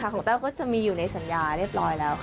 แต้วก็จะมีอยู่ในสัญญาเรียบร้อยแล้วค่ะ